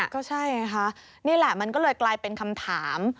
ก็ใช่ไงคะนี่แหละมันก็เลยกลายเป็นคำถาม